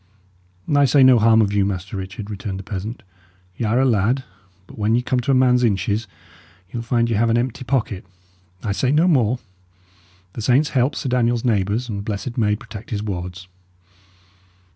"I say no harm of you, Master Richard," returned the peasant. "Y' are a lad; but when ye come to a man's inches, ye will find ye have an empty pocket. I say no more: the saints help Sir Daniel's neighbours, and the Blessed Maid protect his wards!"